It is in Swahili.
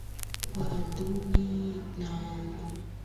wadudu na kuathiri spishi nyingine ambazo huzitegemea kwa chakula